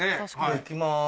行きます。